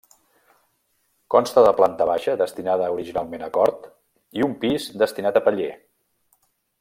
Consta de planta baixa destinada originalment a cort i un pis destinat a paller.